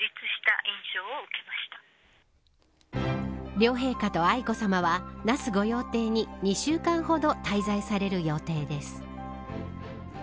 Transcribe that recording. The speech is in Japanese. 両陛下と愛子さまは那須御用邸に２週間ほど滞在される予定です。